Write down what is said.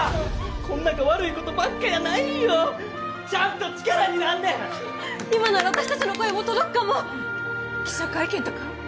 こん中悪いことばっかやないんよちゃんと力になんねん今なら私達の声も届くかも記者会見とか？